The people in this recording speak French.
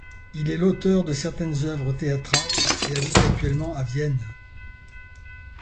Il est l'auteur de certaines œuvres théâtrale et habite actuellement à Vienne.